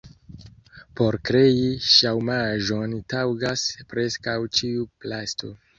Por krei ŝaumaĵon taŭgas preskaŭ ĉiu plasto.